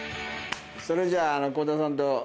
それじゃあ倖田さんと。